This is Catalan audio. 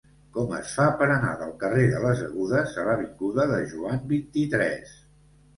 Com es fa per anar del carrer de les Agudes a l'avinguda de Joan vint-i-tres?